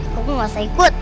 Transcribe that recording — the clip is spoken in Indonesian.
kamu gak usah ikut